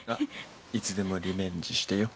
いつでもリベンジしてよ。